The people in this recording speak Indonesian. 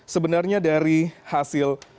sebenarnya dari hasil